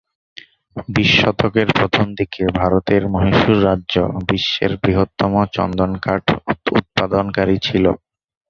বিশ শতকের প্রথম দিকে ভারতের মহীশূর রাজ্য বিশ্বের বৃহত্তম চন্দন কাঠ উৎপাদনকারী ছিল।